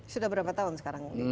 sudah berapa tahun sekarang